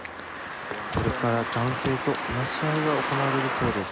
これから男性と話し合いが行われるそうです。